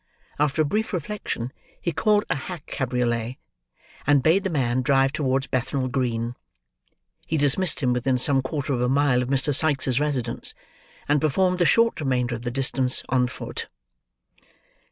After a brief reflection, he called a hack cabriolet, and bade the man drive towards Bethnal Green. He dismissed him within some quarter of a mile of Mr. Sikes's residence, and performed the short remainder of the distance, on foot.